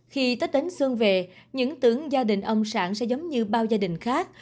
khi tết đến xuân về những tưởng gia đình ông sản sẽ giống như bao gia đình khác